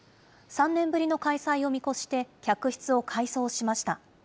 ３年ぶりの開催を見越して、客室を改装しました。